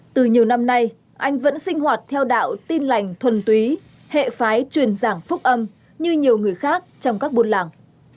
từ nhiều năm nay anh vẫn sinh hoạt theo đạo tin lành thuần túy hệ phái truyền giảng phúc âm như nhiều người khác trong các buôn làng